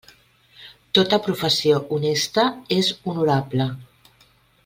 Tota professió honesta és honorable.